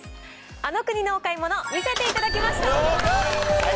あの国のお買い物見せていただきました！